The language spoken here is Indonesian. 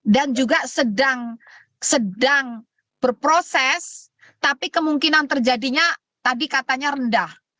dan juga sedang berproses tapi kemungkinan terjadinya tadi katanya rendah